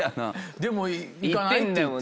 でも「行かない」って言うて。